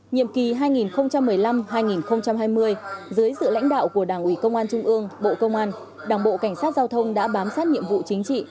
nhiệm kỳ hai nghìn một mươi năm hai nghìn hai mươi dưới sự lãnh đạo của đảng ủy công an trung ương bộ công an đảng bộ cảnh sát giao thông đã bám sát nhiệm vụ chính trị